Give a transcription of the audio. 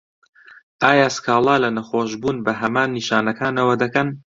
ئایا سکاڵا له نەخۆشبوون بە هەمان نیشانەکانەوه دەکەن؟